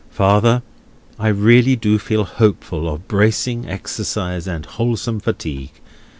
Farther, I really do feel hopeful of bracing exercise and wholesome fatigue.